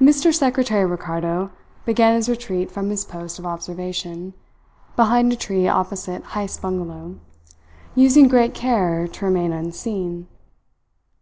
Mr. Secretary Ricardo began his retreat from his post of observation behind a tree opposite Heyst's bungalow, using great care to remain unseen.